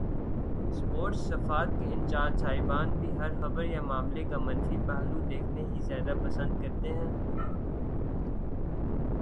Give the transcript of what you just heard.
Sports صفحات کے in charge صاحبان بھی ہر خبر یا معاملے کا منفی پہلو دیکھنا ہی زیادہ پسند کرتے ہیں۔